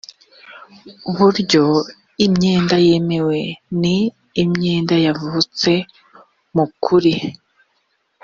buryo imyenda yemewe ni imyenda yavutse mu kuri